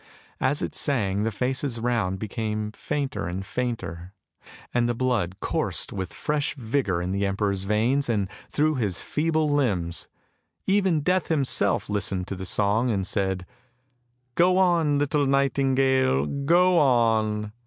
As it sang the faces round became fainter and fainter, and the blood coursed with fresh vigour in the emperor's veins and through his feeble limbs. Even Death himself listened to the song and said, "Go on little nightingale, go on!